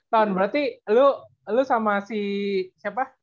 ton berarti lo sama si siapa